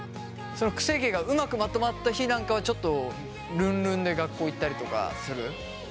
そのくせ毛がうまくまとまった日なんかはちょっとルンルンで学校行ったりとかする？